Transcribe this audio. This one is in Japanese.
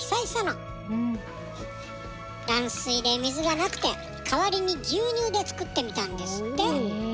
断水で水がなくて代わりに牛乳で作ってみたんですって。